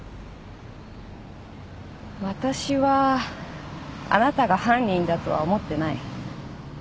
私はあなたが犯人だとは思ってない。